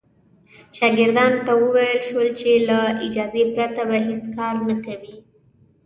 شاګردانو ته وویل شول چې له اجازې پرته به هېڅ کار نه کوي.